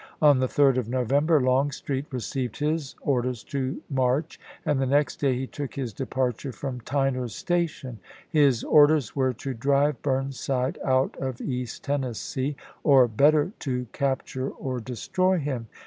On the 3d of November Longstreet received isea. his orders to march, and the next day he took his departure from Tyner's Station. His orders were to " drive Burnside out of East Tennessee, or, better, to capture or destroy him."